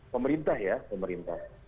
pemerintah ya pemerintah